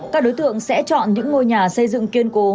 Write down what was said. các đối tượng sẽ chọn những ngôi nhà xây dựng kiên cố